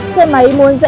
xe máy muốn dễ xa